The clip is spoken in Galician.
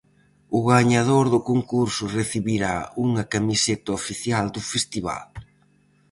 O gañador do concurso recibirá unha camiseta oficial do festival.